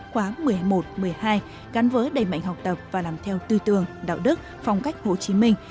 khóa một mươi một một mươi hai gắn với đầy mạnh học tập và làm theo tư tưởng đạo đức phong cách hồ chí minh